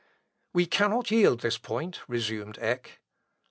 "We cannot yield this point," resumed Eck.